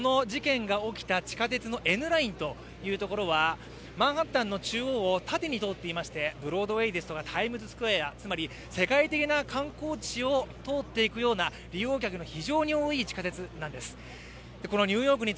この事件が起きた地下鉄のＮラインというところはマンハッタンの中央を縦に通っていまして、ブロードウェイですとかタイムズスクエア、世界的な観光地を通っていくような利用客の非常に多い地下鉄なんです。